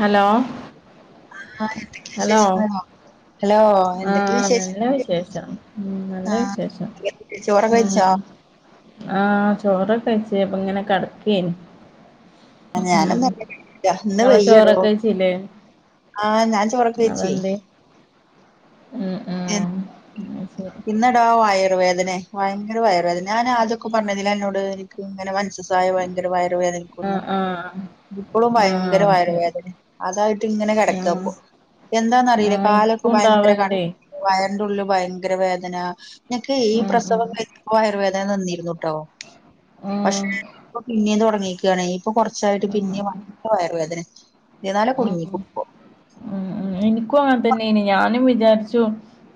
Hello ആ എന്തൊക്ക hello വിശേഷങ്ങൾ ആഹ് നല്ല വിശേഷം നല്ല വിശേഷം ആഹ് ചോറൊക്കെ വെച്ചോ ആഹ് ചോറൊക്കെ കഴിച്ച് ഇങ്ങനെ കിടക്കയായിരുന്നു ഞാനന്ന് ന്ന് ഇങ്ങള് വയ്യടോ ചോറൊക്കെ കഴിച്ചില്ലേ ആ ഞാൻ ചോറൊക്കെ വെച്ചേ അതെന്തേ ഉം ഉം എ അഹ് ശരി എന്നടോ വയർവേദനേ ഭയങ്കര വയർവേദന ഞാൻ അതൊക്കെ പറഞ്ഞതില് എന്നോട് എനിക്ക് ഇങ്ങനെ മെൻസസ് വയറു പങ്കര വയറു വേദനിക്കുന്നു ആഹ് ആഹ് ഇപ്പോളും ഭയങ്കര ആഹ് അതെ വയറുവേദന അതായിട്ട് ഇങ്ങനെ ആഹ് കിടക്കാപ്പോ എന്താന്നറിയില്ല ആഹ് കാലൊക്കെ ഇൻക്കും ഭയങ്കര ഇണ്ടാവല്ണ്ടേ കടച്ചില് വയറിന്റെ ഉള്ളില് ഭയങ്കര വേദന നിനക്ക് ഈ ഉം ഉം പ്രസവം കഴിഞ്ഞു ഈ വയറുവേദന നിന്നിരുന്നുട്ടോ പക്ഷെ ഉം ഇപ്പം പിന്നേം തുടങ്ങിക്കാണ് ഇപ്പൊ കുറച്ചായിട്ട് ഉം ഉം പിന്നെ മാ വയർവേദന ഇരുന്നാലേ കുടുങ്ങിപ്പോ എനിക്കും അങ്ങനെതന്നെയന് ഞാനും വിചാരിച്ചു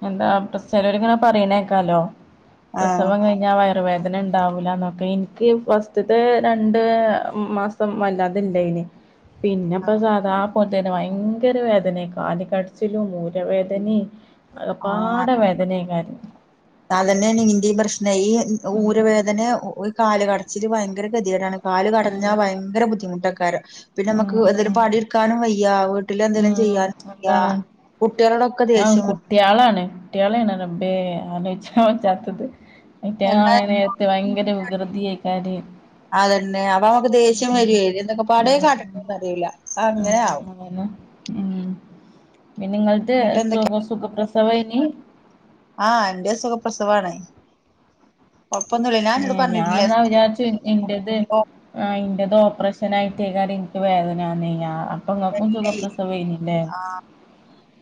എന്താ പ്ര ചിലരുങ്ങനെ പറയണേക്കാലോ ആഹ് പ്രസവം കഴി ഞ്ഞ വയറുവേദന ഉണ്ടാവൂല്ലന്നൊക്കെ എനിക്ക് ഫസ്റ്റ്ത്തെ രണ്ട് മാസ് സം വല്ലാതിണ്ടായിന് പിന്നെപ്പ ആഹ് സാധാപോലത്തന്നെ ഭയങ്കര വേദനക്ക് കാലുക്കടച്ചിലും ഊര് വേദനയും ആകപ്പാട വേദനയും കാര്യം അതന്നെനി ഇന്റെ പ്രശ്ന ഈ ഉം ഊരുവേദന കാല കടച്ചിൽ ഭയങ്കര ഗതികേടാണ് കാല് കടഞ്ഞാ ഉം പങ്കരബുദ്ധിമുട്ടൊക്കാരം പിന്നെ നമുക്ക് ഉം എന്തേലിലും പാണിടുക്കാനും വയ്യ വീട്ടിൽ എന്തേലും ഉം ചെയ്യാൻവയ്യ കുട്ടികളോടൊക്കെ ദേഷ്യം ട്ടിയാളാാണ് കുട്ടോളണ് റബേ ആലോ ചിച്ചാൻ പറ്റാത്തത് എന്നാ അവറ്റെആണെങ്കിൽ നേരത്തെ ഭയങ്കരവികൃതിയായി കാര് അതന്നെ അപ്പൊ നമുക്ക് ദേഷ്യം വര എന്നൊക്കെ പടയേ ഉം ഉം കാട്ടന്ന് അറിയില്ല അങ്ങനെയ ആകും [unintelligible] നിങ്ങളിത് എന്നിട്ട് സുഖ എന്തൊക്കെയ സുഖപ്രസവം ആയിരുന്നി ആഹ് എന്റെ സുഖ പ്രസവാണ് ഒപ്പം നുള്ളി എഹ് ഞാൻ എന്നാ വിചാരിച്ചു എനി എന്റേത് ആ എൻ്റേത് ഓപ്പറേഷനയിട്ട് കാര്യം എനിക്ക് വേദനന്ന് വന്നില്ല [unintelligible] ആഹ്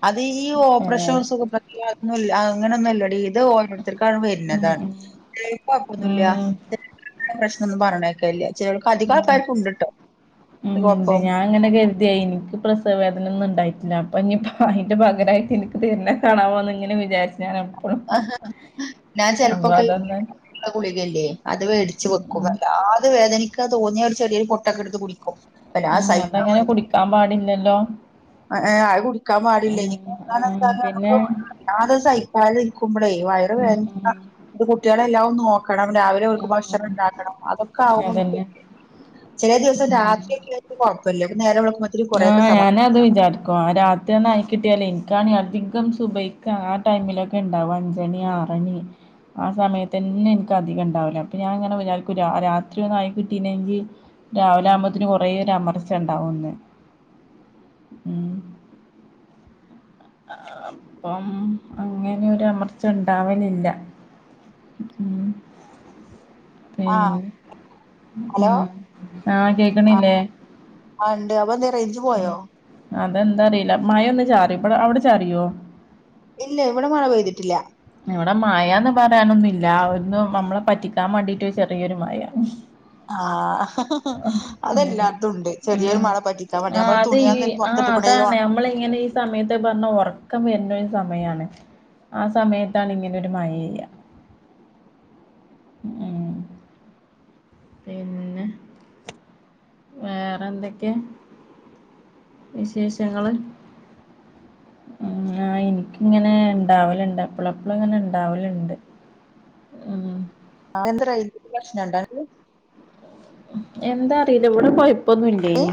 അത് ഈ ഓപ്പറേഷൻ ഏഹ് [unintelligible] ന്നുല്ല അഹ് അങ്ങനെയൊന്നുമില്ലടി ഇത് ക്കാണ് ഉം വരുന്നത് ഉം കുഴപ്പൊന്നുമില്ല ഉം പ്രശ്നമൊന്നും പറഞ്ഞേക്കല്ല ശരിക്ക് അധികം ആൾക്കാർക്ക് ഉണ്ടിട്ടോ കൊപ്പം അങ്ങനെ കരുതിയ എനിക്ക് പ്രസവേദന ഒന്നും ഉണ്ടായിട്ടില്ല അപ്പൊ ഇനി അതിന്റെ പകരായിട്ട് എനിക്ക് പിന്നെ കാണാമ എന്ന് ഇങ്ങനെ വിചാരിച്ചുഞ ആഹ് ഞാൻ ചെിലപ്പോൊക്ക അതൊന്ന് ഗുളികല്ലേ അത് വേടിച്ച് ഉം വെക്കും ഉം അല്ലാതെ വേദനിക്കതോന്നിയ ഒരു ചെറിയപൊട്ടൊക്കെ എടുത്ത് കുടിക്കും ഉം വല്ലാതെ സഹിക്കാൻ അതങ്ങനെ കുടിക്കാൻ പാടില്ലല്ലോ ആഹ് കുടിക്കാൻ ഉം പാടില്ലനിക്ക് എന്താണ ഉം വച്ചാലും പിന്നെ നമുക്ക് അത് സഹിക്കാതിരിക്കുമ്പോളേ വയറ് വേ ഉം ഉം കുട്ടികളെല്ലാം നോ കാണം രാവിലെ അവർക്ക് ഭക്ഷണം ആഹ് ഉണ്ടാക്കണം അതൊക്കെ ആകുമ്പോ നമ്മു അതന്നെ ചിലേദിവസം രാത്രി ഒക്കെ കുഴപ്പമല്ല നേരവെളുക്ക ആഹ് ഞാനത് വിജാരിക്കും ആ രാ തിആയി കിട്ടിയാലെയ് ഇൻക്കാണെ അധികം സുബയ്ക്ക് ആ ടൈമിലൊക്കെ ഇണ്ടാവു അഞ്ചണി, ആറണി ആ സമയതെന്നെ ഇൻക്ക് അധികം ഇണ്ടാവെല് അപ്പൊ ഞാൻഇങ്ങനെ വിജാരിക്കും രാ രാത്രിയൊന്ന് ആയിക്കിട്ടീനെങ്കി രാവിലെ ആകുമ്പോത്തിന് കൊറെ ഒരു അമർച്ച ഇണ്ടാവുന്ന്. [inaudible] ആഹ് അപ്പം അങ്ങനൊരു അമർച്ച ഇണ്ടാവലില്ല. [inaudible] ആഹ് പിന്ന് ഹലോ ആഹ്, ആ ഹ് കേക്കണില്ലേ ആഇണ്ട് അപ്പൊന്തെ റെയ്ഞ്ച്പോയോ അതെന്താഅറീല മഴന്ന് ചാറി ഇബടെ അവടെ ചാറിയോ ഇല്ല ഇവടെ മഴപെയ്തിട്ടില്ല. ഇവടെ മയന്ന് പറയാനൊന്നുല്ല ഒന്ന് അമ്മളെ പറ്റിക്കാൻ വേണ്ടിട്ട് ചെറിയൊരുമയ. ആഹ് അതെല്ലാടത്തും ഇണ്ട് ചെറിയൊരുമഴ പറ്റി ആഹ് അത് ഈ ആഹ് അതാണ് അമ്മള് ഇങ്ങനെ ഈ സമയത്ത് പറഞ്ഞാ ഒറക്കം വെര്നൊര് സമയാണ്. ആ സമയത്താണ് ഇങ്ങനൊരു മഴെയ്യാ ഉം പിന്നെ വേറെ എന്തെക്കെ? വിശേഷങ്ങള് ഉം ആഹ് ഇൻക്ക് ഇങ്ങനെ ഇണ്ടാവല്ണ്ട് എപ്പളും എപ്പളും ഇങ്ങനെ ഇണ്ടാവല്ണ്ട്. ഉം ആ എന്താ റേഞ്ചിന്റെ പ്രശ്നം ഉണ്ടോ അനക്ക് എന്താ അറീല ഇവിടെ കൊയപ്പൊന്നും ഇല്ലേനി.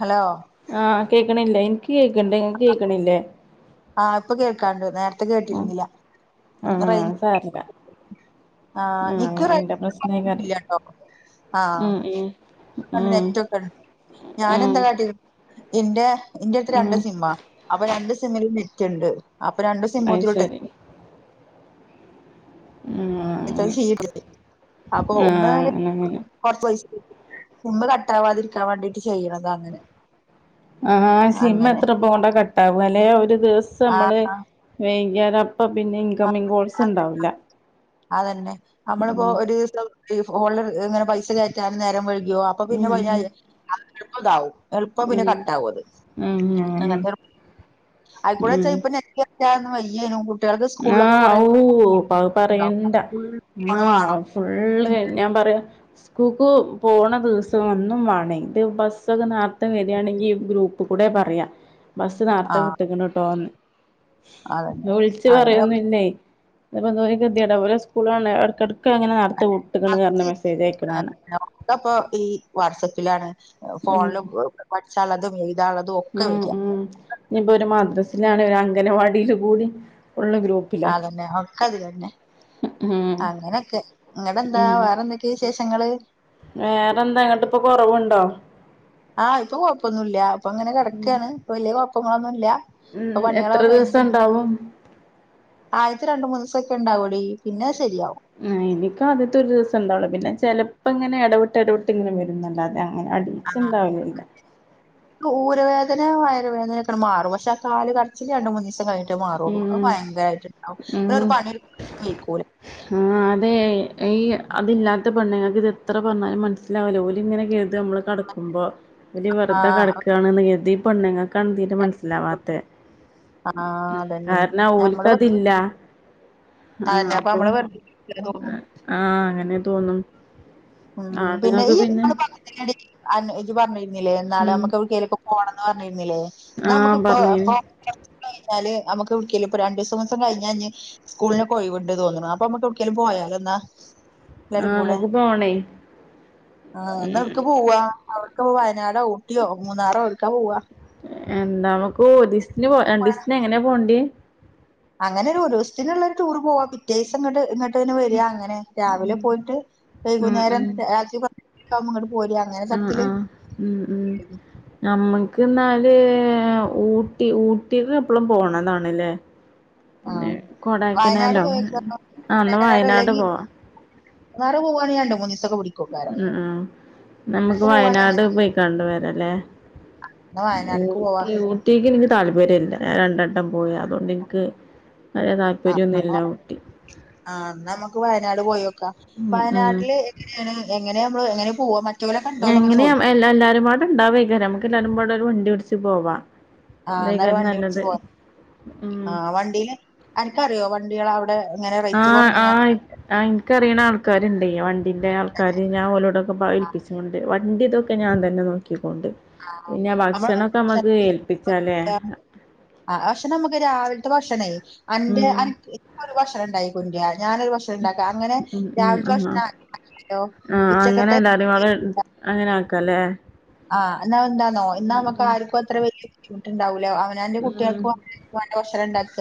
ഹലോ ആഹ് കേക്ക്ണില്ലേ ഇൻക്ക് കേക്ക്ണ്ട് ഇങ്ങക്ക് കേക്ക്ണില്ലേ? ആഹ് ഇപ്പൊ കേൾക്കാണ്ട് നേര്ത്തെ ഉം കേട്ട്ര്ന്നില്ല. പ്പ റെയ് ആഹ് സാരല്ല. ആഹ് നിക്ക് അയിന്റെ [unintelligible] പ്രശ്നേക്കാരം ഒന്നുല്ലാട്ടോ. ആഹ് ഉം [inaudible] ഉം നെറ്റൊക്കെണ്ട് ഞാനെന്താ കാട്ടി ഇന്റെ ഇന്റെട്ത്ത് രണ്ട് ഉം സിമ്മ അപ്പൊ രണ്ട് സിമ്മിലും നെറ്റ്ണ്ട്. അപ്പൊ രണ്ട് അത് സിമ്മുതിലിട്ട് ശരി ഉം അങ്ങനെ നെറ്റ്ഷീണ്ട് അറിംഅപ്പൊ ആഹ് ഒന്ന് അങ്ങനെ അങ്ങനെ [inaudible] കൊറച്ച് പൈസ കേറ്റി സിമ്മ് കട്ടാവാതിരിക്കാൻ വേണ്ടിട്ട് ചെയ്യ്ണത അങ്ങനെ. ആഹ് സിമ്മ് അങ്ങനെ എത്ര എളുപ്പംകൊണ്ട കട്ടവാലെ ഒരു ദിവസം ആഹ് ന്നമ്മള് വെയ്കിയാലപ് പ്പ പിന്നെ ഇൻകമിങ് കോൾസ് ഇണ്ടാവൂല. അതെന്നെ അമ്മളിപ്പോ ഒരു ദിവസം ഹ് ഫോണില് ഇങ്ങനെ പൈസ കയറ്റാൻ നേരം വയ്കിയോ അ അപ്പോ പിന്നെ ഉം ഫൈനായിലേ എളുപ്പം ഇതാവും എളുപ്പ പിന്നെ ഉം കട്ടാവു അത് ഉം അങ്ങനെ അങ്ങൻത്തെ ആയ്ക്കൂടെച്ച ഉം ഇപ്പ നെറ്റ് കയറ്റാതെ വയ്യേനും കു ആഹ് ഔ പ്പത് ഉണ്ടാവും പറയണ്ട ഫുൾ ഫോണ് വേണം ആഹ് ഫുള്ള് പിന്നെ ഞാൻ പറയ കൂക്ക് പോണ ദിവസം എന്നും വാണേ ഇപ്പീ ബസ്സൊക്കെ നാർത്തെ വെരാണെങ്കി ഗ്രൂ പ്പ് കുടെ പറയാ ബസ്സ് നാർത്തെ വിട്ട്ക്ക്ണ് ട്ടോന്ന്. അതെന്നെ ഓല് പറയൊന്നുല്ലേ ഇത്പ്പോ എന്തോര് കെതിയേട ഓലെ സ്കൂളാണെ എട്ക്കെട് ക്ക അങ്ങനെ ന്നാർത്തെ വിട്ട്ക്ക്ണ് പറഞ് മെസ്സേജ് അയക്ക്ണാണ. ഒക്കെപ്പോ ഈ വാട്സപ്പിലാണ് ഉം ഫോണ്ലും പട്ച്ചാള്ളതും എഴ്താള്ളതും ഉം ഉം ഇഞ്ഞ്പ്പോ ഒരു മദ്രസിലാണ് ഒരു അംഗനവാടില് കൂടി ഫുള്ള് ഗ്രൂ അതെന്നെ ഒക്കെ അതിലെന്നെ ഉം അങ്ങനെയൊക്കെ ഇങ്ങട്ടെന്താ ഉം വേറെന്തൊക്കെ? വിശേഷങ്ങള് വേറെന്താ ന്നട്ട് ഇപ്പൊ കൊറവ്ണ്ടോ? ആഹ് ഇപ്പൊ കൊഴപ്പൊന്നുല്ല ഇപ്പൊ ഇങ്ങനെ ഉം കെടക്കാണ് വല്ല്യാ കുഴപ്പങ്ങളൊന്നുല്ല. ഉം ഇപ്പൊ എത്ര പണികളൊക്കെ ദിവസം കഴിഞ്ഞിട്ട് ഇണ്ടാവും ആദ്യത്തെ രണ്ട് മൂന്ന് ദിവസക്കെ ഇണ്ടാവൂടി പിന്നെ അത് ശരിയാവും എനിക്ക് ആദ്യത്തെ ഒരു ദിവസം ഇണ്ടാവുള്ളൂ പിന്നെ ചെലപ്പോ ഇങ്ങനെ എടവിട്ട് എടവിട്ട് ഇങ്ങനെ വരുന്നല്ലാതെ അങ്ങനെ അടി ആഹ് അതെ ക്ക് ഊരവേദന വയറുവേദനൊക്കെങ്ങട് മാറും പക്ഷേ ആ കാല് കടച്ചില് രണ്ട് മൂന്നീസം കഴിഞ് ട്ടെ മാറൊള്ളൂ ഉം അത് ഭയങ്കരായിട്ടുണ്ടാവും പി ഉം ഒരു പണിയെടുക്കാൻ വയ്ക്കൂല ആഹ് അതെ ഈ അതില്ലാത്ത പെണ്ണ്ങ്ങക്ക് ഇത് എത്ര പറഞ്ഞാലും മനസ്സ് ലാവൂല ഓല് ഇങ്ങനെ കര്തും നമ്മള് കടക്കുമ്പോ ഇവരീ വെറ്തെ ആഹ് കെടുക്കാണെന്ന് കര്തി ഈ പൊണ്ണ്ങ്ങക്കെന്തീറ്റാ മനസ്സിലാവാത്ത ആഹ് ഉം അതന്നെ കാരണം നമ്മള് വെറുതെ ഓൽക്കതില്ല അതന്നെ അപ്പൊ നമ്മള് വെ ആഹ് അങ്ങനെ തോന്നും ഉം പിന്നെ ഈ [unintelligible] [unintelligible] ഇജ്ജ് പറഞ്ഞിരുന്നില്ലേ നാളെ ഉം നമ്മുക്ക് എവിടെങ്കിലൊക്കെ പോണന്ന് പറഞ്ഞിരുന്നില്ലേ എന്നാ ആഹ് നമ്മക്കിപ്പോ അ പറഞ്ഞീന് കഴിഞ്ഞാല് നമ്മുക്ക് വീട്ടില് ഇപ്പൊ രണ്ടീസം മൂന്നീസം കഴിഞാല് സ്കൂളിനെക്കെ ഒയിവിണ്ട് തോന്നണ് അപ്പൊ നമ്മക്ക് എവിടെക്കെങ്കിലും പോയാലോ എന്നാ അഹ് എല്ലാരും നമ്മുക്ക് പോണേ ആ ഒന്ന് എവിട്ക്കാ പോവാ അവർക്ക് വയനാടോ ഊട്ടിയോ മൂന്നാറോ ഏട്ക്കാ പോവാ എന്താ നമുക്ക് ഒരു ദിസത്തിന് പോ രണ്ടിസത്തിന് എങ്ങനെയാ പോണ്ടേ അങ്ങനെ ഒരു ദിവസത്തിനുള്ള ഒരു ടൂർ പോവാ പിറ്റേദിവസങ്ങട്ട് ന് വരിക അങ്ങനെ രാവിലെ പോയിട്ട് ഉം വൈകുന്നേരം ഉം രാജി പറ ഇങ്ങോട്ട് പോര ആഹ് ആഹ് ഉം ഉം നമ്മക്ക് എന്നാല് ഊട്ടി ഊട്ടി എപ്പളും പോണതാണല്ലേ പിന്നെ ആഹ് വയനാട് കൊടെക്കെനാലോ പോയേക്കാരം അന്ന് കൊടൈക്കനാല് വയനാട് അല്ലെങ്കി പോവാ മൂന്നാറ് പോവായാണ്ട് മൂന്നിസ കൂടി ഉം നമ്മക്ക് പോവാണെങ്കി വയനാട് അങ്ങനെ പോയി കണ്ട് വരാല്ലേ എന്നാ വയനാട്ക്ക് പോവാ ഊട്ടി ഊ ഊട്ടിക്ക് എനിക്ക് താല്പര്യല്ല ഞാൻ രണ്ടട്ടം പോയാ അതുകൊണ്ട് എനിക്ക് വല്യ താല്പര്യംരൊന്നുംയില്ല ഊട്ടി ആഹ് എന്നാ നമ്മക്ക് വയനാട് പോയോക്കാം ഉം ഉം വയനാട്ടില് എങ്ങെയാണ് എങ്ങനെ നമ്മള് എങ്ങനെ പോവാ മറ്റോലെ കണ്ടോന്നൊക്കെ എങ്ങനെ ചോദിക്കും എല്ല എല്ലാരുംമ്പാടെ ഇൻണ്ടാവേക്കാരേം നമുക്ക് എല്ലാരുമ്പാടെ ഒരു വണ്ടി പിടിച്ച് പോവാം ആഹ് അന്നേരം വണ്ടി വിളിച്ചു പോര് ഉം അഹ് വണ്ടീല അനക്കറിയോ വണ്ടികൾ അവിടെ ഇങ്ങനെ റേറ്റ് ആഹ് കുറഞ്ഞങ്ങാണ്ട് ആഹ് ആഹ് എനിക്കറിയണ ആൾക്കാരുണ്ട് വണ്ടിന്റെ ആൾക്കാര് ഞാൻഓലോടൊക്കെഏൽപ്പിച്ചോണ്ട് വണ്ടി ഇതൊക്കെ ഒക്കെ ഞാൻ തന്നെ നോക്കിക്കൊണ്ട് ആ പിന്നെ നമ്മളെ ഭക്ഷണക്കെ നമ്മുക്ക് ഭക്ഷണത്തിന് ഏൽപ്പിച്ചാലേ ആ ഭക്ഷണം നമുക്ക് രാവിലത്തെ ഭക്ഷണേ അന്റെ ഉം അനക്ക് ഒരു ഭക്ഷണം ഇണ്ടായി കുണ്ട്യ ഞാനൊരു ഭക്ഷണം ണ്ടാക്ക അങ്ങനെ ഉം രാവിലത്തെ ഉം ആഹ് ഭക്ഷണം [inaudible] ആഹ് അങ്ങനെ ഉച്ചക്കത്തെ [inaudible] എല്ലാരും പാടെ അങ്ങനെ ആക്ക ല്ലേ ആഹ് എന്ന എന്താന്നോ എന്നാ നമുക്ക് ആർക്കും അത്ര വലിയ ബുദ്ധിമുട്ടുണ്ടാവൂല അവ ഞാനെന്റെ ഉം കുട്ട്യേൾക്കും [inaudible] ഭക്ഷണം ഉണ്ടാക്ക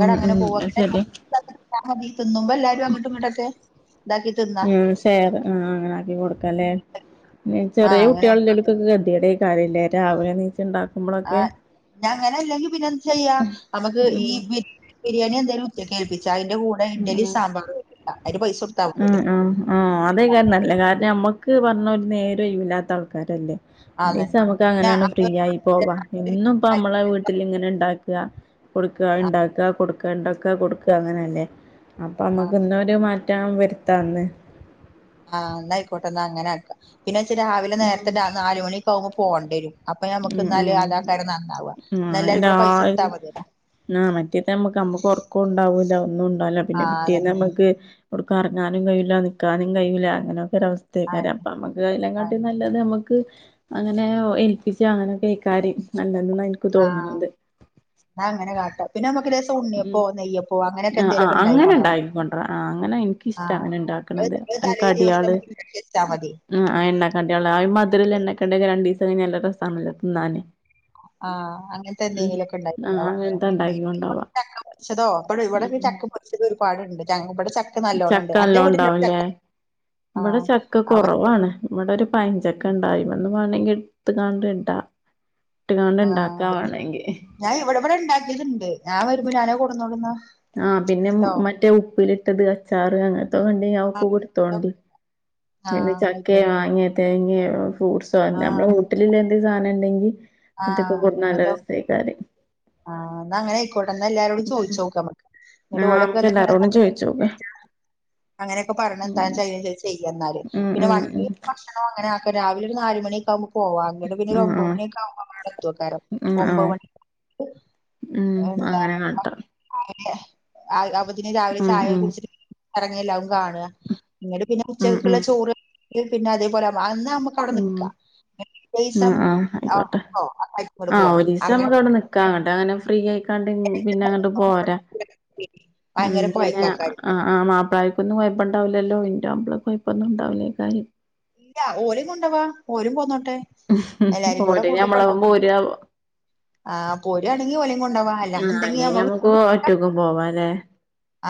ഉം ഉം പോവ അത് ശരിയാ [inaudible] മതി തിന്നുമ്പോ എല്ലാരും അങ്ങോട്ടും ഇങ്ങോട്ടൊക്കെ ഇതാക്കി തിന്നും ഉം ഷേറ് ആഹ് അങ്ങനെ ആക്കി കൊടുക്ക ല്ലേ ചെറിയ ആഹ് അങ്ങനെ കുട്ടികള് എ ഗതിയുടെയും കാര്യല്ലേ രാവിലെ നീച്ചണ്ട ആഹ് ഞ അങ്ങനെ ഇല്ലെങ്കി പിന്നെ എന്താ ചെയ്യാ നമുക്ക് ഈ ഉം ബിരിയാണി എന്തേലും കേൽപ്പിച്ചാ അയിന്റെ കൂടെ ഉം ഇഡലി സാമ്പാറും അയിന്റെ പൈസ ഉം മതിയല്ലേ ഉം ഉ അതേ ക്കാരം നല്ലേ കാരണം നമ്മക്ക് പറഞ്ഞ ഒരു നേരം ഒഴിവില്ലാത്ത ആൾക്കാരല്ലേ ആഹ് അതന്നെ ഒരീസം നമുക്ക് പിന്നെ അങ്ങനെങ് ഫ്രീയായി പോവാ എന്നുപ്പം നമ്മളെ വീട്ടിലിങ്ങനെ ഇണ്ടാക്ക കൊടുക്കുക ഉണ്ടാക്കുക കൊടുക്ക ഉണ്ടാക്ക കൊടുക്ക അങ്ങനെയല്ലേ അപ്പൊ ആഹ് നമ്മുക്ക് ഇന്നൊരു മാറ്റം വരുത്താന്ന് ആഹ് എന്നന്നായിക്കോട്ടെ എന്നാ അങ്ങനെ ആക്കാം പിന്നെ വെച്ച രാവിലെ നേരത്തെ നാലുമ മണിക്ക് ആകുമ്പോ പോകേണ്ട വരും അപ്പൊ മ്മുക്ക് ഉം എന്നാലല് ഉം അലാകാരർ നന്നാവവാ ആഹ് എല്ലാരും കൂടെ പൈസ ഇടുാ രാവിലെ മതിയല്ലെ ആഹ് മറ്റേത്തെ നമ്മക്ക് നമ്മക്ക് ഉറക്കം ഉണ്ടാവൂല ഒന്നും ഉണ്ടാവില്ല പിന്നെ ആഹ് പിറ്റേന്ന അതന്നെ നമ്മുക്ക് കൊടുക്ക ഇറങ്ങാനും കഴയില്ല നിക്കക്കാനും കഴയില്ല അങ്ങനെ ഒര അവസ്ഥയക്കാര് ആന്നെ അപ്പൊ നമ്മുക്ക് കാം കാട്ട ഇല്ല ആന്നെ ഇത് നമ്മക്ക് അങ്ങനെ ഒ ഏൽപ്പിച്ച അങ്ങനെ കൈക്കാരി നല്ല എന്നായി ആഹ് ഞാ ഇങ്ങനെ കാട്ടും പിന്നെ നമ്മക്ക് ലേശ് ഉം തൊണ്ണിയപ്പോ നെയ്യപ്പോ അങ്ങനെയെക്കെ ആഹ് ആഹ് എന്തേലൊക്കെ ഇണ്ടാക്കി അങ്ങനെ കൊണ്ടോവണം ഇണ്ടാക്കിക്കൊണ്ടരാ ആഹ് അങ്ങനെ ഇൻക്കിഷ്ടാ ആഹ് അങ്ങനെ ഏത് ഇണ്ടാക്ക്ണത് ഏത് തലെദിവസം ഞമ്മക്ക് ഇണ്ടാക്കി വെച്ചാമതി ഉം ആ എണ്ണക്കടിയോളെ ആ ഒര് മധുരല്ലെ എണ്ണക്കടിയെക്കെ രണ്ടീസം കെയിഞ്ഞാ നല്ല രസാണ്ലെ തിന്നാന് ആഹ് അങ്ങൻത്തെ ഉം എന്തെങ്കിലും ഒക്കെ ഇണ്ടാക്ക് ആഹ് ഇണ്ടാവ അങ്ങൻത്തെ ഇണ്ടാക്കി കൊണ്ടോവാ [unintelligible] ചതോ ഇപ്പഴും ഇവടെ പിന്നെ ഉം ചക്ക പാെരിച്ചത് ഒരുപാട്ഇണ്ട് ചങ്ങ് ഇവടെ ച ചക്ക നല്ലോം ഇണ്ടാവുംല്ലേ ഇവ്ടെ ആഹ് ച ഒക്ക അപ്പൊ ചക്ക കാെറവാണ് ഇവടെ ഒരു പയഞ്ചക്ക ഇണ്ടായിന്ന് അന്ന് വാണെങ്കി ഇട്ത്ത്കാണ്ട് ഇടാ ഇട്ട്കാണ്ട് ആഹ് ഇണ്ടാക്കാ വ് വേണെങ്കി ഞാന് ഇവടെ ഇവടെ ഇണ്ടാക്കീത് ഇണ്ട് ഞാ വരുമ്പാെ ഞാനത് കൊട്ന്നോണ്ട് ഇന്നാ ആഹ് പിന്നെ ഉം മറ്റേ ഉപ്പിലിട്ടത് അച്ചാറ് അങ്ങന അത് കണ്ടൈഞാ ഞാ ഓക്ക് കൊട്ത്തോണ്ടി പിന്നെ ആഹ് ചക്കേ ആയിക്കോട്ടെ. മാങ്ങേ തേങ്ങേ ഫ്രൂഡ്സ് ട്ടൊ ആഹ് ഞമ്മളെ വീട്ടില് പിന്നെ എന്ത് സാധനം ഇണ്ടെങ്കി അതെക്കെ ആഹ് കൊട്ന്നാ നല്ല അങ്ങനത്തെ രസൈക്കാരെ ആഹ് ഇന്നാ അങ്ങനെ ഐക്കോട്ടെ എന്ന എല്ലാരോടും ഉം ചോയിച്ചാേക്കാ അമ്മക്ക് ഇന്ന്ട്ട് ആഹ് ഓലൊക്കെ നമുക്ക് എല്ലാരോടും തെന്നെത്താനെ ചോയിച്ചോക്കാ വേടിച്ചതാ അങ്ങനെയെക്കെ പർണ് എന്താചെയ്യാ ചോയിച്ച് ചെയ്യഇന്നാല് ഉം പിന്നെ ഉം വണ്ടി ഉം ഭക്ഷണം അങ്ങനെ ആക്ക രാവിലെ ഒര്നാല് മണിയെക്കെ ആവുമ്പൊ പോവാ അങ്ങട്ട് പിന്നെ ഒരു ഉം ഒമ്പത് ആഹ് മണിയെക്കെ ആവുമ്പൊ അമ്മള് അവടെ എത്താേക്കാരം ഉം ഒമ്പത് ആഹ് മണി ഉം എന്താ അങ്ങനെ കാട്ടാ മഹ് ആരുംഇല്യേ അത് അപ്പത്തിന് രാവിലെ ഉം ചായെക്കെ ഉം കുടിച്ചിട്ട് എറങ്ങിയ എല്ലാവും കാണുക ഇന്നട്ട്പിന്നെ ഉം ഉച്ചക്കക്ക് ഇള്ള ഉം ചോറ് ഇല്ലെ പിന്നെ അതെപോലെ അമ്മള് അന്ന് അമ്മക്ക് ഇപ്പ അവടെ ഉം നിക്കാ ഇന്ന്ട്ട് പിറ്റെെസം ആഹ് ആഹ് ആയിക്കോട്ടെ അന്നോ അന്ന് അതേറ്റ് ഇങ്ങട്ട് പോരാ അങ്ങനെ ഇക്ക്അങ്ങട്ട് അങ്ങനെ ഫ്രീ ആയിക്കാണ്ട് ഉം പിന്നെ അങ്ങട്ട് പോരാ ഉം ഭയങ്കര പിന്നെ ആഹ് കൊഴക്കാക്കാര് ആഹ് ആഹ് ആഹ് മാപ്പ്ളാര്ക്കൊന്നും കൊയപ്പംഇണ്ടാവൂലല്ലോ ഇന്റെ മാപ്പ്ളക്ക് കൊയപ്പൊന്നും ഇണ്ടാവൂലൈക്കാരെ ഇല്ലാ ഓലിം കൊണ്ടവാ ഓരും പോന്നോട്ടെ ഉം ഉം എല്ലാരും കൂടെ ഓര് ഞമ്മളെപ്പം കൂട്ടിക്കൊണ്ടോവാ പോരുആവോ ആഹ് പോര്ആണെങ്കി ഓലിം കൊണ്ടവാ ആഹ് അല്ലെങ്കി ഞമ്മക്ക് ഒറ്റക്ക് പോവാല്ലേ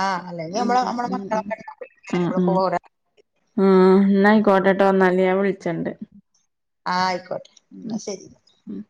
ആഹ് അല്ലെങ്കി ഉം ഞമ്മളെ അമ്മളെ ഉം ഉം മക്കളൊക്കെ ഇണ്ടാവല്ലോ ആഹ് എല്ലാരുംകൂടെ ആഹ് പോരാ ആഹ് ഇന്നാ ഐക്കോട്ടെട്ടോ ഇന്നാല് ഞാംവിൾച്ചണ്ട് ആഹ് ഐക്കോട്ടെട്ടൊ ഇന്നാ ശെരി ഉം